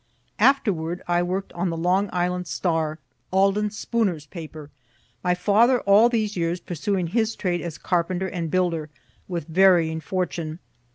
) Afterward I work'd on the "Long Island Star," Alden Spooner's paper. My father all these years pursuing his trade as carpenter and builder, with varying fortune.